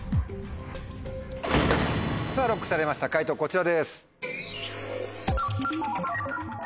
さぁＬＯＣＫされました解答こちらです。